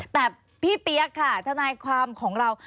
แต่พี่เปี๊ยกค่ะทนายความของเรา